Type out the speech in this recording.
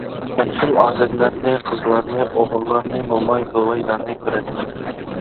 ھەر خىل ئادەملەرنى، قىزلارنى، ئوغۇللارنى، موماي، بوۋايلارنى كۆرەتتىم.